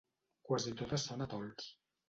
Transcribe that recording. Quasi totes són atols.